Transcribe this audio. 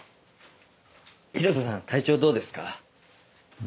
広瀬さん体調どうですか？